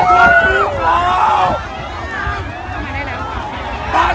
สวัสดีครับทุกคน